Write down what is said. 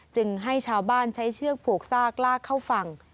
จึงให้ชาวบ้านใช้เชือกผูกซากลากเข้าฝั่ง